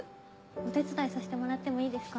お手伝いさせてもらってもいいですか？